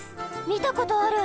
みたことある。